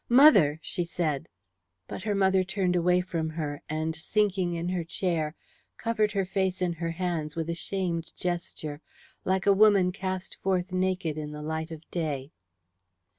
"Mother!" she said. But her mother turned away from her, and, sinking in her chair, covered her face in her hands with a shamed gesture, like a woman cast forth naked in the light of day.